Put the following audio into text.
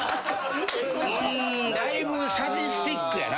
うーんだいぶサディスティックやな。